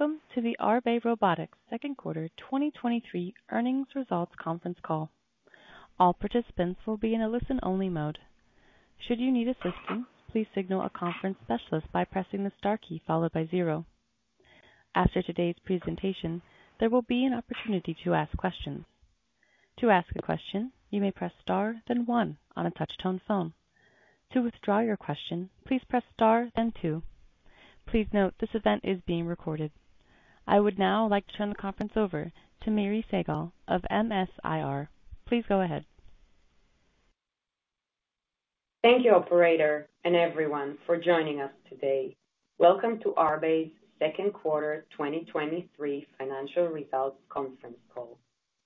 Welcome to the Arbe Robotics Second Quarter 2023 earnings results conference call. All participants will be in a listen-only mode. Should you need assistance, please signal a conference specialist by pressing the star key followed by zero. After today's presentation, there will be an opportunity to ask questions. To ask a question, you may press star, then one on a touch-tone phone. To withdraw your question, please press star, then two. Please note, this event is being recorded. I would now like to turn the conference over to Miri Segal of MS-IR. Please go ahead. Thank you, operator, everyone for joining us today. Welcome to Arbe's second quarter 2023 financial results conference call.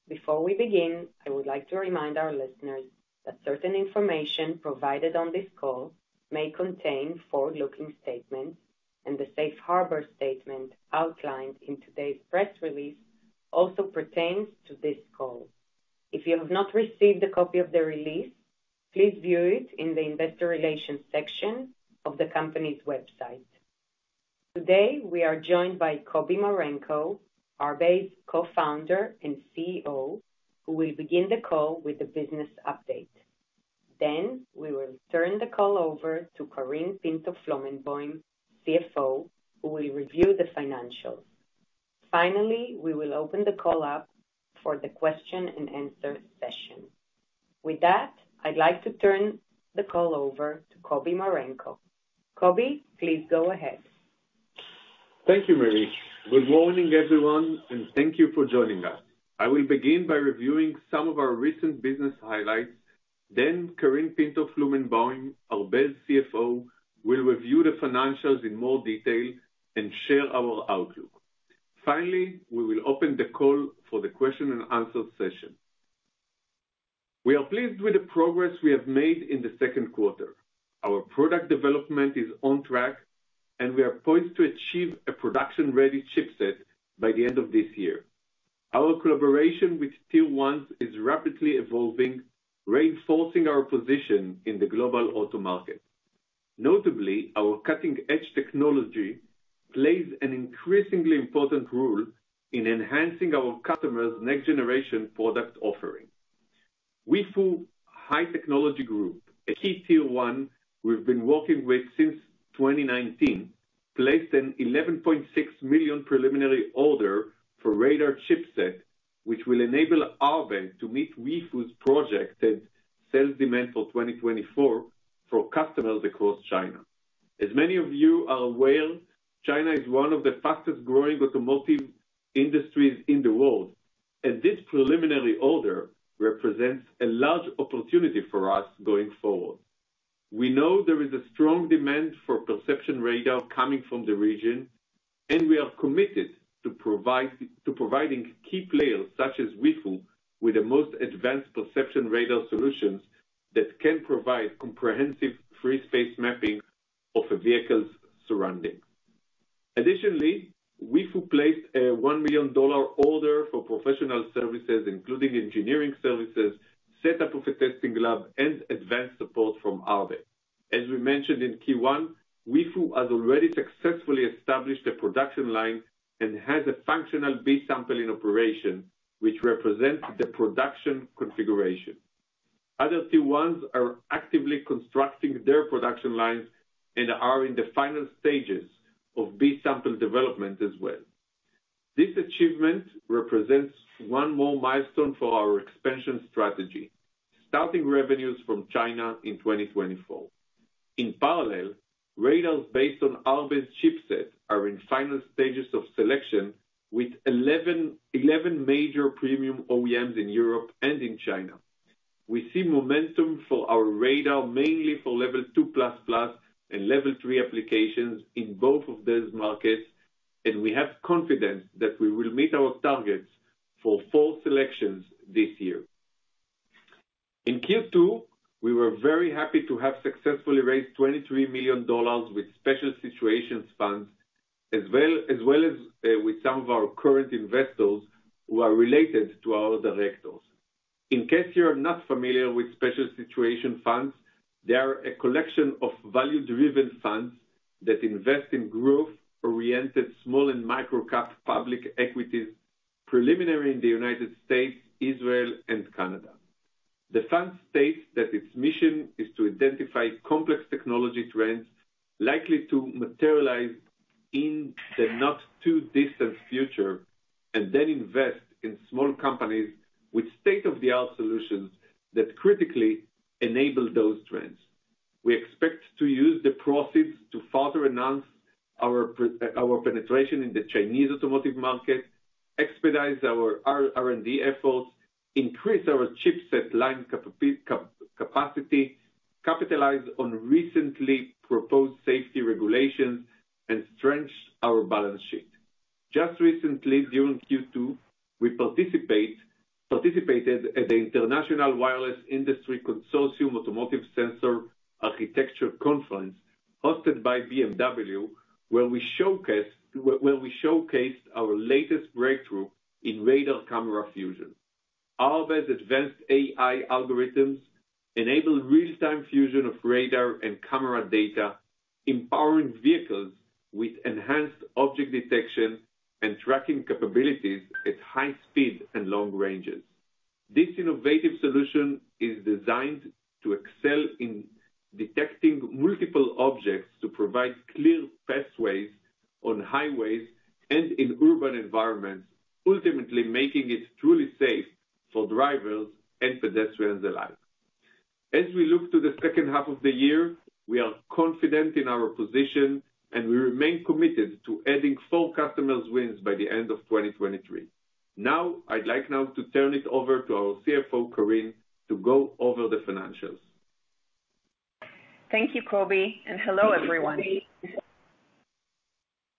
Before we begin, I would like to remind our listeners that certain information provided on this call may contain forward-looking statements, and the safe harbor statement outlined in today's press release also pertains to this call. If you have not received a copy of the release, please view it in the investor relations section of the company's website. Today, we are joined by Kobi Marenko, Arbe's co-founder and CEO, who will begin the call with a business update. We will turn the call over to Karine Pinto-Flomenboim, CFO, who will review the financials. Finally, we will open the call up for the question and answer session. With that, I'd like to turn the call over to Kobi Marenko. Kobi, please go ahead. Thank you, Miri. Good morning, everyone, and thank you for joining us. I will begin by reviewing some of our recent business highlights, then Karine Pinto-Flomenboim, our best CFO, will review the financials in more detail and share our outlook. Finally, we will open the call for the question and answer session. We are pleased with the progress we have made in the second quarter. Our product development is on track, and we are poised to achieve a production-ready chipset by the end of this year. Our collaboration with Tier 1 is rapidly evolving, reinforcing our position in the global auto market. Notably, our cutting-edge technology plays an increasingly important role in enhancing our customers' next generation product offering. Weifu High-Technology Group, a key tier 1 we've been working with since 2019, placed an $11.6 million preliminary order for radar chipset, which will enable Arbe to meet Weifu's projected sales demand for 2024 for customers across China. As many of you are aware, China is one of the fastest growing automotive industries in the world, this preliminary order represents a large opportunity for us going forward. We know there is a strong demand for perception radar coming from the region, we are committed to providing key players, such as Weifu, with the most advanced perception radar solutions that can provide comprehensive free space mapping of a vehicle's surrounding. Additionally, Weifu placed a $1 million order for professional services, including engineering services, setup of a testing lab, and advanced support from Arbe. As we mentioned in Q1, Weifu has already successfully established a production line and has a functional B sample operation, which represents the production configuration. Other tier 1s are actively constructing their production lines and are in the final stages of B sample development as well. This achievement represents one more milestone for our expansion strategy, starting revenues from China in 2024. In parallel, radars based on Arbe's chipset are in final stages of selection with 11 major premium OEMs in Europe and in China. We see momentum for our radar, mainly for level two plus plus and level three applications in both of those markets, and we have confidence that we will meet our targets for full selections this year. In Q2, we were very happy to have successfully raised $23 million with Special Situations Funds, as well, as well as, with some of our current investors who are related to our directors. In case you are not familiar with Special Situations Funds, they are a collection of value-driven funds that invest in growth-oriented, small and micro-cap public equities, preliminary in the United States, Israel, and Canada. The fund states that its mission is to identify complex technology trends likely to materialize in the not-too-distant future, and then invest in small companies with state-of-the-art solutions that critically enable those trends. We expect to use the proceeds to further enhance our penetration in the Chinese automotive market, expedite our R&D efforts, increase our chipset line capacity, capitalize on recently proposed safety regulations, and strengthen our balance sheet. Just recently, during Q2, we participated at the International Wireless Industry Consortium Automotive Sensor Architecture Conference, hosted by BMW, where we showcased our latest breakthrough in radar camera fusion. Arbe's advanced AI algorithms enable real time fusion of radar and camera data, empowering vehicles with enhanced object detection and tracking capabilities at high speeds and long ranges. This innovative solution is designed to excel in detecting multiple objects to provide clear pathways on highways and in urban environments, ultimately making it truly safe for drivers and pedestrians alike. As we look to the second half of the year, we are confident in our position, and we remain committed to adding four customers wins by the end of 2023. I'd like now to turn it over to our CFO, Karine, to go over the financials. Thank you, Kobi, and hello, everyone.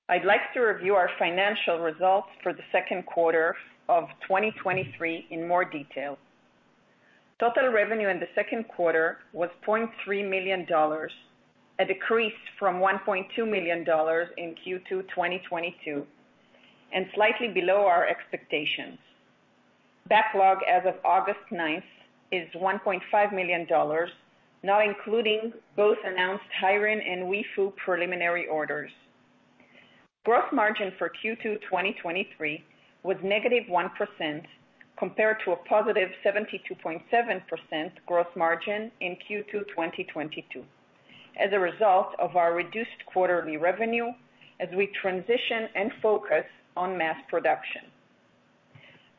I'd like to review our financial results for the second quarter of 2023 in more detail. Total revenue in the second quarter was $0.3 million, a decrease from $1.2 million in Q2 2022, and slightly below our expectations. Backlog as of August 9th is $1.5 million, now including both announced HiRain and Weifu preliminary orders. Gross margin for Q2 2023 was -1%, compared to a positive 72.7% gross margin in Q2 2022, as a result of our reduced quarterly revenue as we transition and focus on mass production.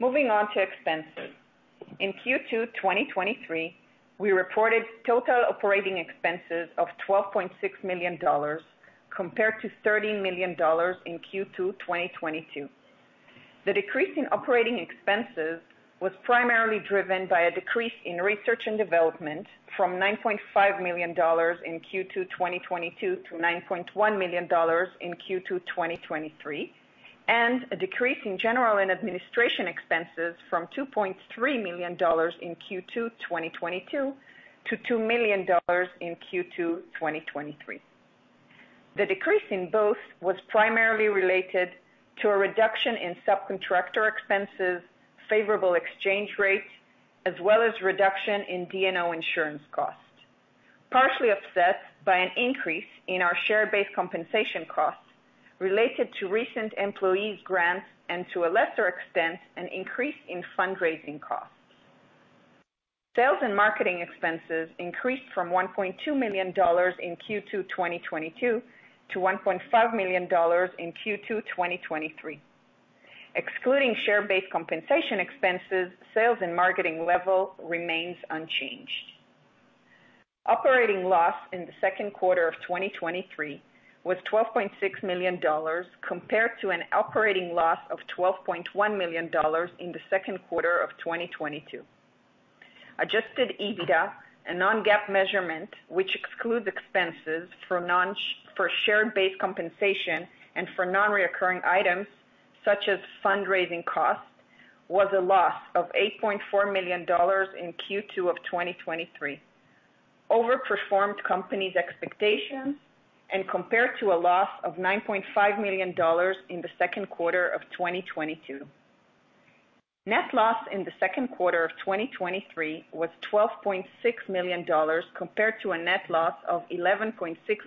Moving on to expenses. In Q2 2023, we reported total operating expenses of $12.6 million compared to $13 million in Q2 2022. The decrease in operating expenses was primarily driven by a decrease in research and development from $9.5 million in Q2 2022 to $9.1 million in Q2 2023, and a decrease in general and administration expenses from $2.3 million in Q2 2022 to $2 million in Q2 2023. The decrease in both was primarily related to a reduction in subcontractor expenses, favorable exchange rates, as well as reduction in D&O insurance costs, partially offset by an increase in our share-based compensation costs related to recent employees grants, and to a lesser extent, an increase in fundraising costs. Sales and marketing expenses increased from $1.2 million in Q2 2022 to $1.5 million in Q2 2023. Excluding share-based compensation expenses, sales and marketing level remains unchanged. Operating loss in the second quarter of 2023 was $12.6 million, compared to an operating loss of $12.1 million in the second quarter of 2022. Adjusted EBITDA, a non-GAAP measurement, which excludes expenses for shared-based compensation and for non-recurring items, such as fundraising costs, was a loss of $8.4 million in Q2 of 2023, overperformed company's expectations, compared to a loss of $9.5 million in the second quarter of 2022. Net loss in the second quarter of 2023 was $12.6 million, compared to a net loss of $11.6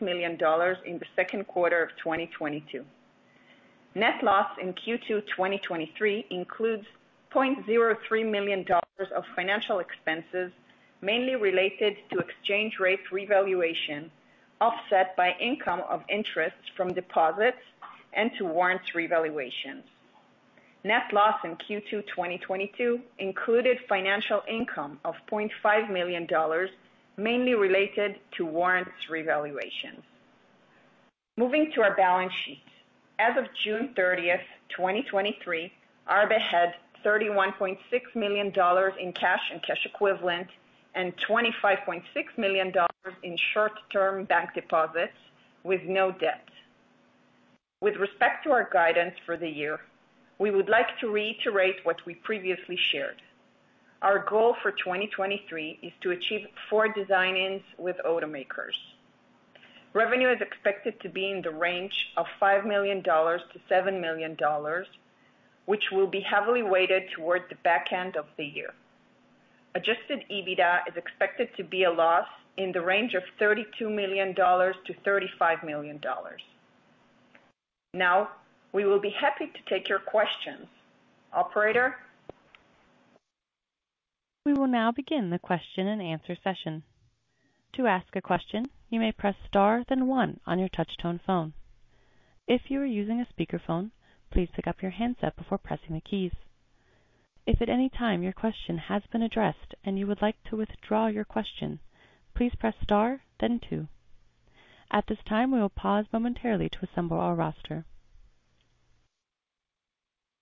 million in the second quarter of 2022. Net loss in Q2 2023 includes $0.03 million of financial expenses, mainly related to exchange rate revaluation, offset by income of interests from deposits and to warrants revaluations. Net loss in Q2 2022 included financial income of $0.5 million, mainly related to warrants revaluations. Moving to our balance sheet. As of June 30, 2023, Arbe had $31.6 million in cash and cash equivalent and $25.6 million in short-term bank deposits with no debt. With respect to our guidance for the year, we would like to reiterate what we previously shared. Our goal for 2023 is to achieve four design-ins with automakers. Revenue is expected to be in the range of $5 million-$7 million, which will be heavily weighted toward the back end of the year. Adjusted EBITDA is expected to be a loss in the range of $32 million-$35 million. We will be happy to take your questions. Operator? We will now begin the question-and-answer session. To ask a question, you may press star, then on on your touch tone phone. If you are using a speakerphone, please pick up your handset before pressing the keys. If at any time your question has been addressed and you would like to withdraw your question, please press star, then two. At this time, we will pause momentarily to assemble our roster.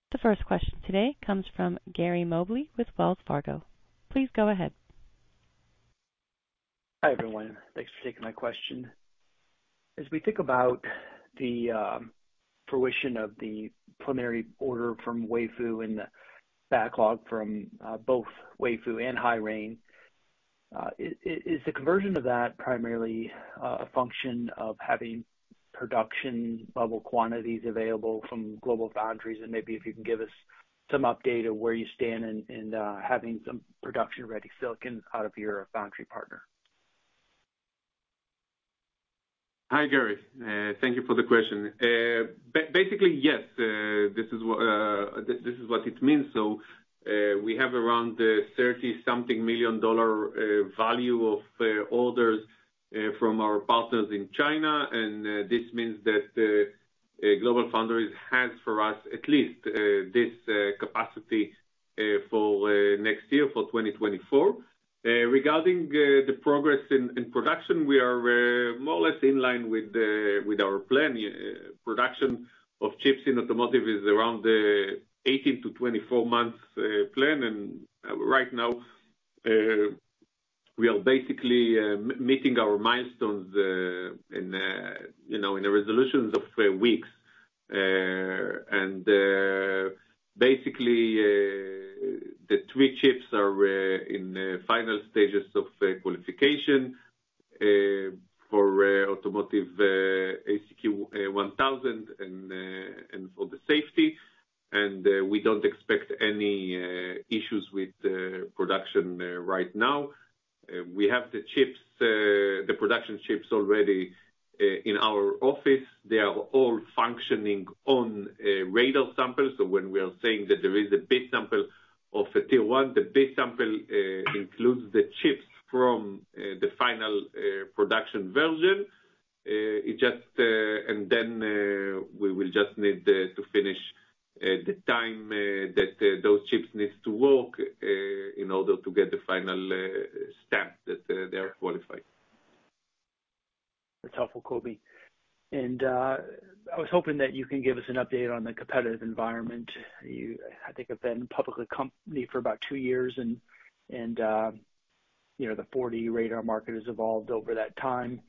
The first question today comes from Gary Mobley with Wells Fargo. Please go ahead. Hi, everyone. Thanks for taking my question. As we think about the fruition of the preliminary order from Weifu and the backlog from both Weifu and HiRain, is the conversion of that primarily a function of having production level quantities available from GlobalFoundries, and maybe if you can give us some update of where you stand in having some production-ready silicon out of your foundry partner? Hi, Gary, thank you for the question. Basically, yes, this is what, this, this is what it means. We have around $30 something million value of orders from our partners in China, and this means that GlobalFoundries has, for us, at least, this capacity for next year, for 2024. Regarding the progress in production, we are more or less in line with our plan. Production of chips in automotive is around 18-24 months plan. Right now, we are basically meeting our milestones in, you know, in the resolutions of weeks. Basically, the three chips are in the final stages of qualification for automotive AEC-Q1000 and for the safety. We don't expect any issues with production right now. We have the chips, the production chips already in our office. They are all functioning on radar samples. When we are saying that there is a B sample of the tier 1, the B sample includes the chips from the final production version. It just. Then we will just need to finish the time that those chips needs to work in order to get the final stamp that they are qualified. That's helpful, Kobi. I was hoping that you can give us an update on the competitive environment. You, I think, have been a public company for about two years and, and, you know, the forty radar market has evolved over that time.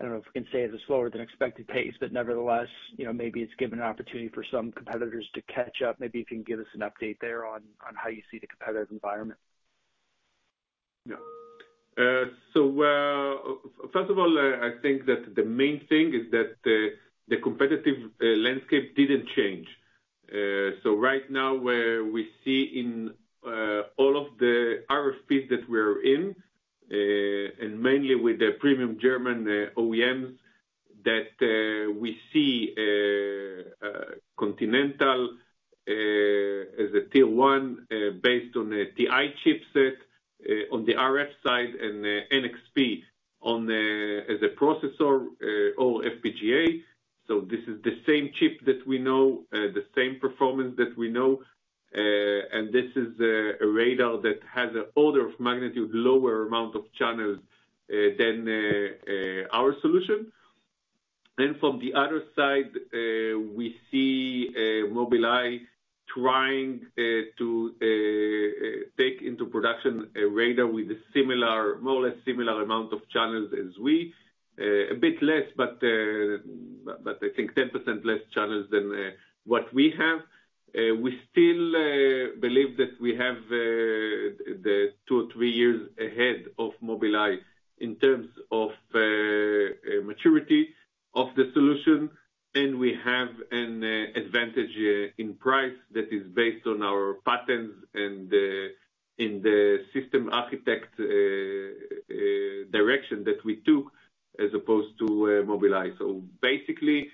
I don't know if we can say it's a slower than expected pace, but nevertheless, you know, maybe it's given an opportunity for some competitors to catch up. Maybe you can give us an update there on, on how you see the competitive environment? Yeah. First of all, I think that the main thing is that the competitive landscape didn't change. Right now, where we see in all of the RFPs that we're in, and mainly with the premium German OEMs, that we see Continental as a tier one, based on a TI chipset on the RF side, and NXP on the as a processor or FPGA. This is the same chip that we know, the same performance that we know. And this is a radar that has an order of magnitude lower amount of channels than our solution. From the other side, we see Mobileye trying to take into production a radar with a similar, more or less similar amount of channels as we. A bit less, but I think 10% less channels than what we have. We still believe that we have the two or three years ahead of Mobileye in terms of maturity of the solution. We have an advantage in price that is based on our patents and in the system architect direction that we took as opposed to Mobileye. Basically,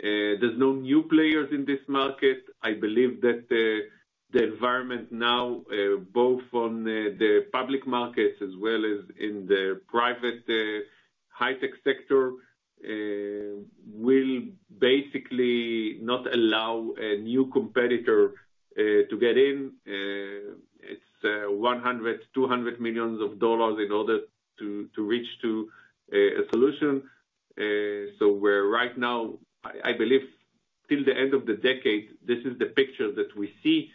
there's no new players in this market. I believe that the environment now, both on the public markets as well as in the private high tech sector, will basically not allow a new competitor to get in. It's $100 million, $200 million in order to reach to a solution. Where right now, I believe till the end of the decade, this is the picture that we see.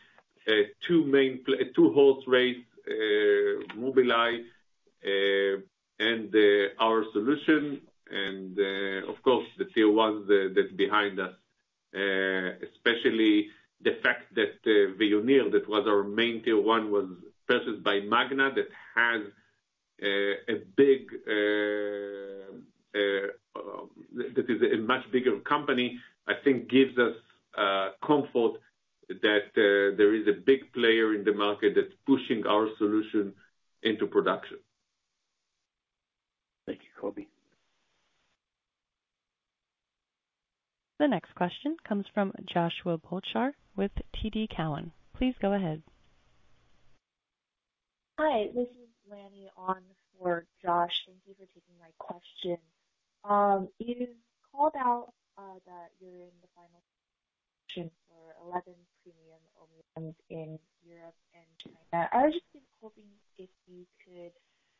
Two main two horse race, Mobileye and our solution, and of course, the tier one that's behind us. Especially the fact that Veoneer, that was our main tier one, was purchased by Magna, that has a big. That is a much bigger company, I think gives us comfort that there is a big player in the market that's pushing our solution into production. Thank you, Kobi. The next question comes from Joshua Buchalter with TD Cowen. Please go ahead. Hi, this is Lanny on for Josh. Thank you for taking my question. You called out that you're in the final for 11 premium OEMs in Europe and China. I was just hoping if you could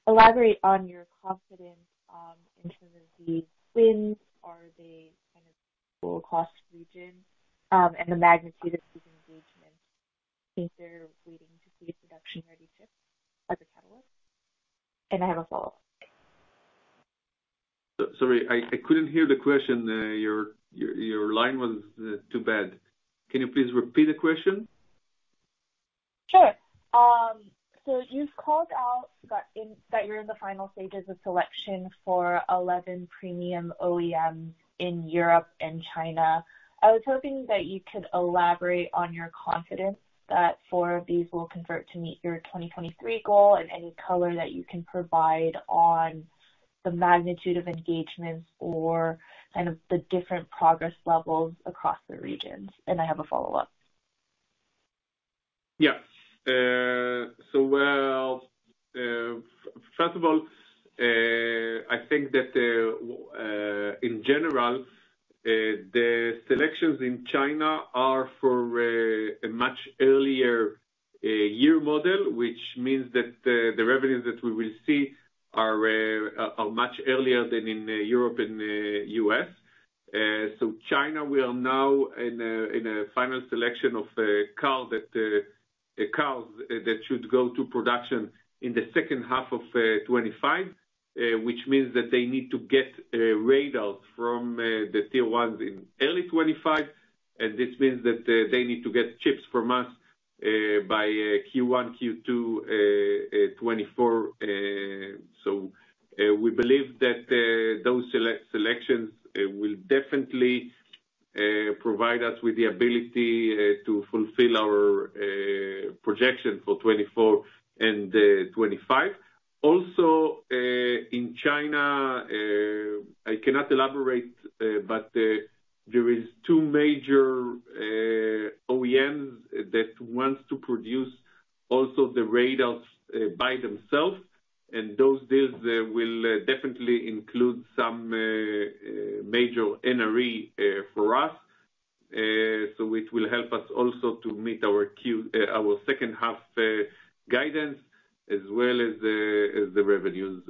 elaborate on your confidence in terms of the wins. Are they kind of full across region and the magnitude of these engagements, if they're waiting to see a production-ready chip as a catalyst? I have a follow-up. Sorry, I, I couldn't hear the question, your, your, your line was, too bad. Can you please repeat the question? Sure. You've called out that you're in the final stages of selection for 11 premium OEMs in Europe and China. I was hoping that you could elaborate on your confidence that four of these will convert to meet your 2023 goal, and any color that you can provide on the magnitude of engagements or kind of the different progress levels across the regions. I have a follow-up. Yeah. Well, first of all, I think that in general, the selections in China are for a much earlier year model, which means that the revenues that we will see are much earlier than in Europe and U.S.. China, we are now in a final selection of cars that should go to production in the second half of 2025. This means that they need to get radars from the tier ones in early 2025, and this means that they need to get chips from us by Q1, Q2, 2024. We believe that those select selections will definitely provide us with the ability to fulfill our projection for 2024 and 2025. Also, in China, I cannot elaborate, but there is two major OEMs that wants to produce also the radars by themselves, and those deals will definitely include some major NRE for us. Which will help us also to meet our second half guidance, as well as the revenues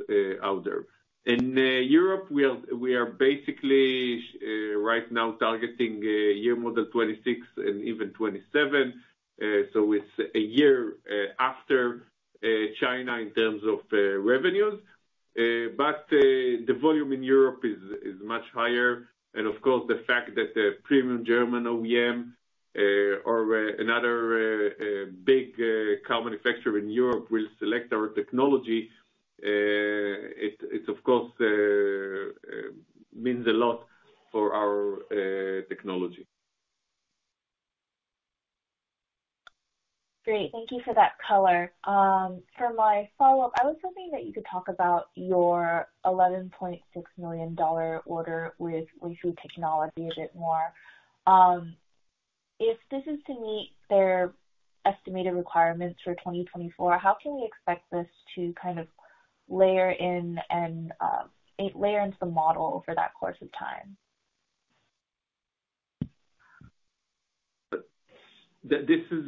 out there. In Europe, we are basically right now targeting year model 2026 and even 2027. It's a year after China in terms of revenues. But the volume in Europe is much higher. Of course, the fact that the premium German OEM, or another big car manufacturer in Europe will select our technology, it, it, of course, means a lot for our technology. Great. Thank you for that color. For my follow-up, I was hoping that you could talk about your $11.6 million order with Weifu Technology a bit more. If this is to meet their estimated requirements for 2024, how can we expect this to kind of layer in and layer into the model over that course of time? This is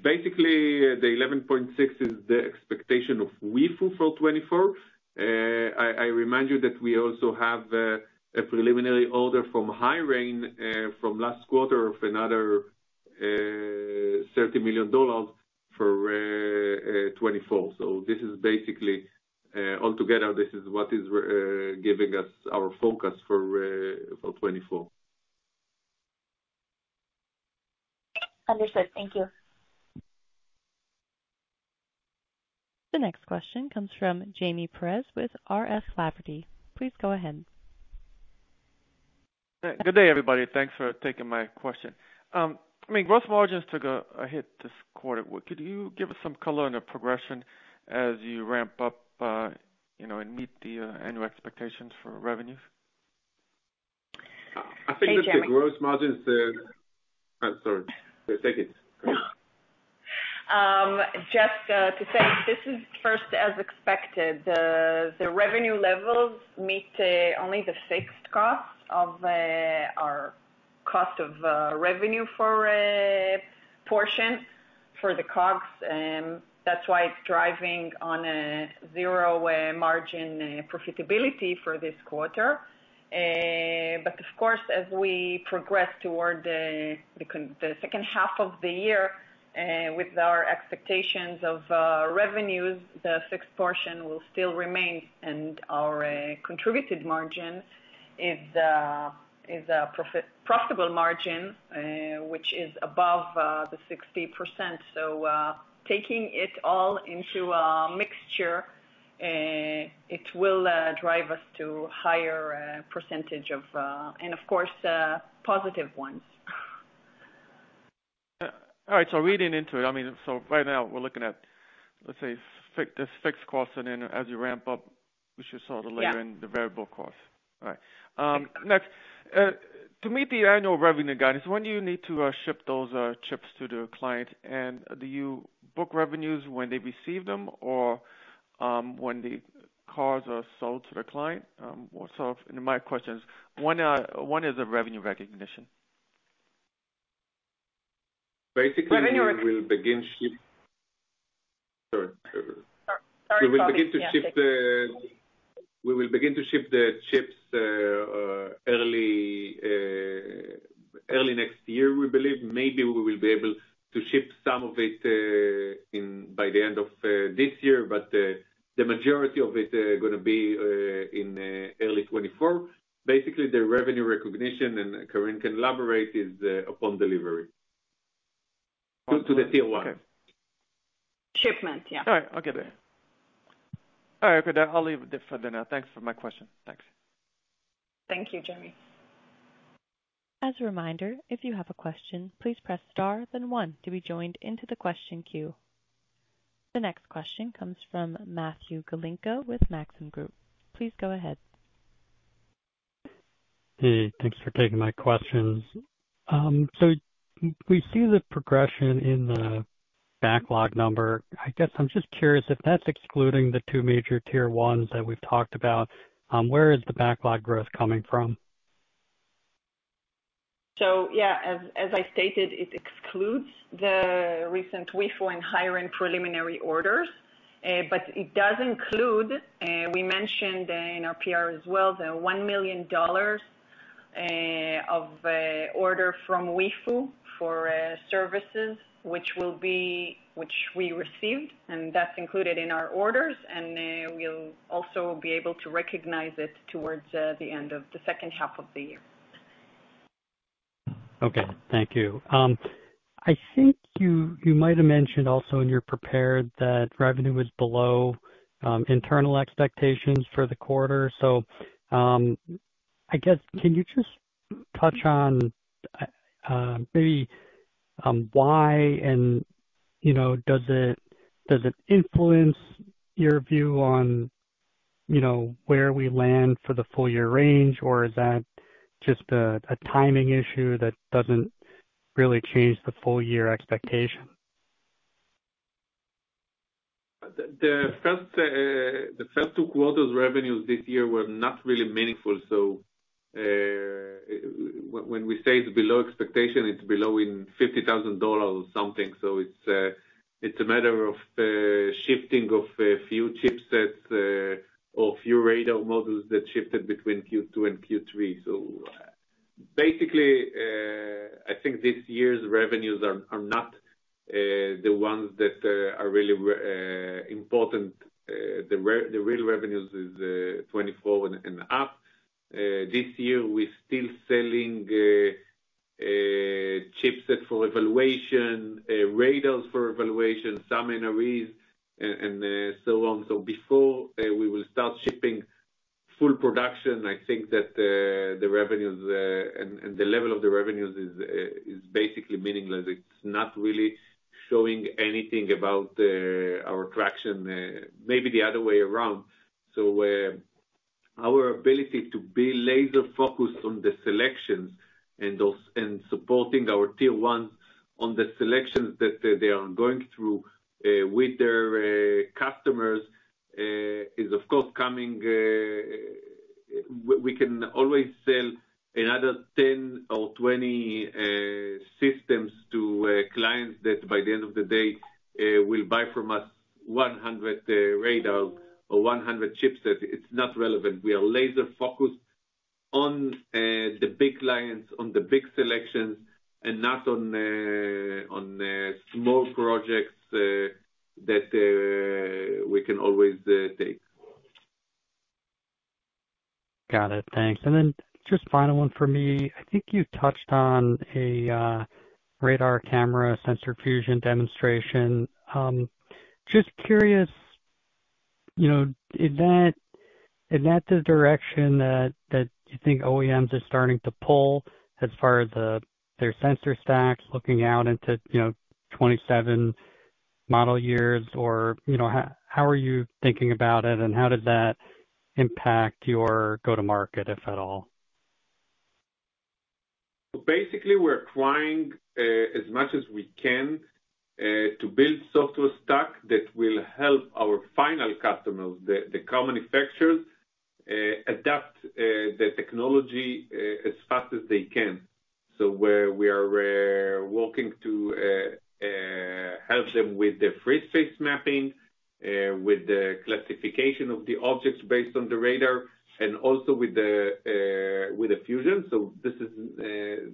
basically, the $11.6 million is the expectation of Weifu for 2024. I remind you that we also have a preliminary order from HiRain from last quarter, of another $30 million for 2024. This is basically altogether, this is what is giving us our focus for 2024. Understood. Thank you. The next question comes from Jaime Perez with R.F. Lafferty. Please go ahead. Good day, everybody. Thanks for taking my question. I mean, gross margins took a hit this quarter. Could you give us some color on the progression as you ramp up, you know, and meet the annual expectations for revenues? I think. Hey, Jaime. that the gross margins. Sorry. Take it. Just to say this is first as expected. The revenue levels meet only the fixed costs of our cost of revenue for portion for the COGS. That's why it's driving on a 0 margin profitability for this quarter. Of course, as we progress toward the second half of the year, with our expectations of revenues, the fixed portion will still remain, and our contributed margin is a profitable margin, which is above the 60%. Taking it all into a mixture, it will drive us to higher percentage of... and of course, positive ones. All right, reading into it, I mean, right now we're looking at, let's say, this fixed cost, and then as you ramp up, we should sort of layer in the variable cost. All right. Next, to meet the annual revenue guidance, when do you need to ship those chips to the client? Do you book revenues when they receive them, or, when the cars are sold to the client? My question is, when is the revenue recognition? Basically. Revenue We will begin. Sorry. Sorry. We will begin to ship the chips early next year, we believe, maybe we will be able to ship some of it in by the end of this year, but the majority of it is gonna be in early 2024. Basically, the revenue recognition, and Karine can elaborate, is upon delivery to, to the tier one. Okay. Shipment. Yeah. All right. I'll get there. All right, okay, then I'll leave it there for now. Thanks for my question. Thanks. Thank you, Jaime. As a reminder, if you have a question, please press star then one to be joined into the question queue. The next question comes from Matthew Galinko with Maxim Group. Please go ahead. Hey, thanks for taking my questions. We see the progression in the backlog number. I guess I'm just curious if that's excluding the two major tier ones that we've talked about, where is the backlog growth coming from? Yeah, as, as I stated, it excludes the recent Weifu and HiRain preliminary orders. But it does include, we mentioned, in our PR as well, the $1 million of order from Weifu for services which will be... which we received, and that's included in our orders, and, we'll also be able to recognize it towards the end of the second half of the year. Okay. Thank you. I think you, you might have mentioned also in your prepared that revenue was below internal expectations for the quarter. I guess, can you just touch on maybe why, and, you know, does it, does it influence your view on, you know, where we land for the full year range, or is that just a timing issue that doesn't really change the full year expectation? The first two quarters revenues this year were not really meaningful. When we say it's below expectation, it's below in $50,000 or something. It's a matter of shifting of a few chipsets, or few radar models that shifted between Q2 and Q3. Basically, I think this year's revenues are not the ones that are really important. The real revenues is 2024 and up. This year, we're still selling chipset for evaluation, radars for evaluation, some NREs, and so on. Before, we will start shipping full production, I think that the revenues and the level of the revenues is basically meaningless. It's not really showing anything about our traction, maybe the other way around. Our ability to be laser focused on the selections and those, and supporting our Tier 1s on the selections that they are going through with their customers, is of course coming. We can always sell another 10 or 20 systems to clients that, by the end of the day, will buy from us 100 radar or 100 chipsets. It's not relevant. We are laser focused on the big clients, on the big selections, and not on small projects that we can always take. Got it. Thanks. Then just final one for me. I think you touched on a radar camera, sensor fusion demonstration. Just curious, you know, is that, is that the direction that, that you think OEMs are starting to pull as far as the, their sensor stacks looking out into, you know, 27 model years? Or, you know, how are you thinking about it, and how does that impact your go-to-market, if at all? Basically, we're trying as much as we can to build software stack that will help our final customers, the, the car manufacturers, adapt the technology as fast as they can. Where we are working to help them with the free space mapping, with the classification of the objects based on the radar, and also with the with the fusion. This is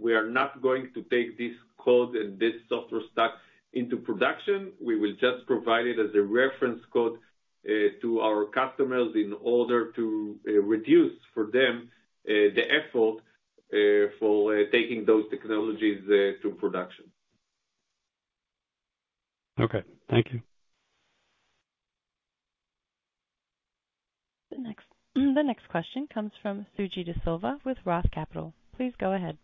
we are not going to take this code and this software stack into production. We will just provide it as a reference code to our customers in order to reduce, for them, the effort for taking those technologies to production. Okay. Thank you. The next, the next question comes from Suji Desilva with Roth Capital. Please go ahead.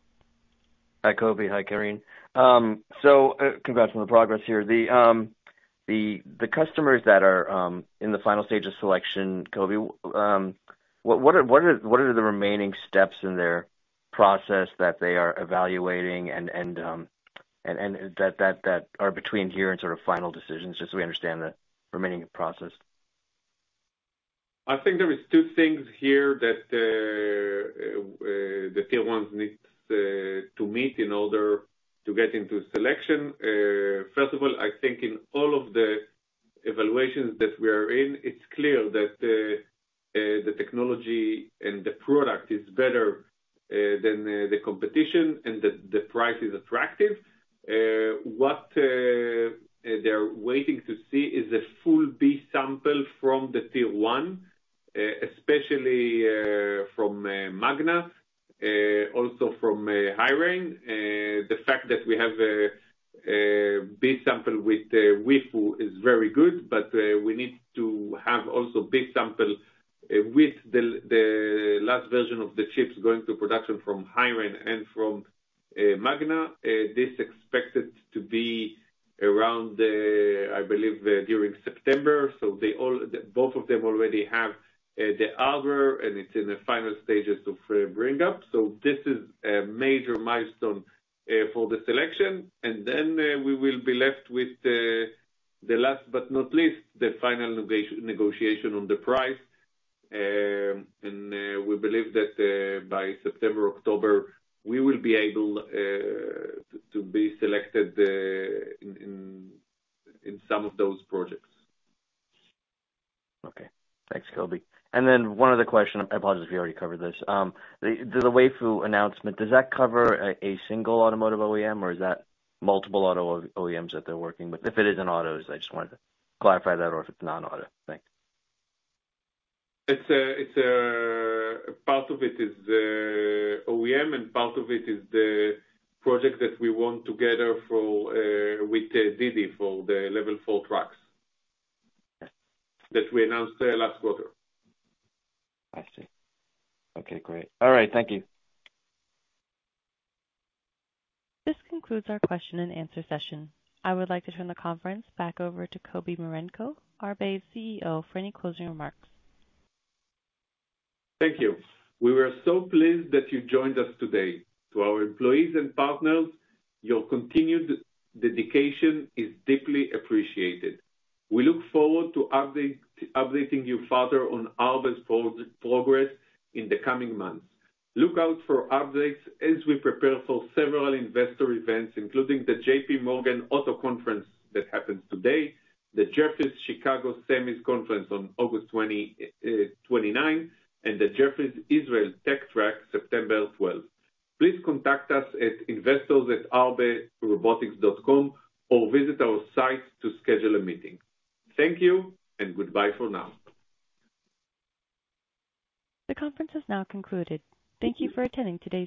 Hi, Kobi. Hi, Karine. Congrats on the progress here. The, the, the customers that are in the final stage of selection, Kobi, what, what are, what are, what are the remaining steps in their process that they are evaluating and, and, and that, that, that are between here and sort of final decisions, just so we understand the remaining process? I think there is two things here that the Tier 1s needs to meet in order to get into selection. First of all, I think in all of the evaluations that we are in, it's clear that the technology and the product is better than the competition, and the price is attractive. What they're waiting to see is the full B sample from the tier 1, especially from Magna, also from HiRain. The fact that we have a B sample with Weifu is very good, but we need to have also B sample with the last version of the chips going to production from HiRain and from Magna. This expected to be around, I believe, during September. They both of them already have the hardware, and it's in the final stages of bring up. This is a major milestone for the selection. Then we will be left with the last but not least, the final negotiation on the price. We believe that by September, October, we will be able to be selected in, in, in some of those projects. Okay. Thanks, Kobi. One other question, I apologize if you already covered this. The Weifu announcement, does that cover a single automotive OEM, or is that multiple auto OEMs that they're working with? If it is in autos, I just wanted to clarify that, or if it's non-auto. Thanks. It's a, it's a, part of it is OEM, and part of it is the project that we won together for with DiDi for the level 4 trucks. Okay. That we announced, last quarter. I see. Okay, great. All right, thank you. This concludes our question and answer session. I would like to turn the conference back over to Kobi Marenko, Arbe CEO, for any closing remarks. Thank you. We were so pleased that you joined us today. To our employees and partners, your continued dedication is deeply appreciated. We look forward to updating you further on Arbe's progress in the coming months. Look out for updates as we prepare for several investor events, including the J.P. Morgan Auto Conference that happens today, the Jefferies Chicago Semis Conference on August 29th, and the Jefferies Israel Tech Trek, September 12th. Please contact us at investors@arberobotics.com or visit our site to schedule a meeting. Thank you and goodbye for now. The conference is now concluded. Thank you for attending today's call.